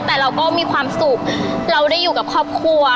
แต่เราก็มีความสุขเราได้อยู่กับครอบครัว